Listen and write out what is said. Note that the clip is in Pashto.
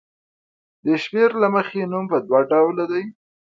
د شمېر له مخې نوم په دوه ډوله دی.